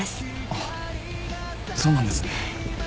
あっそうなんですね。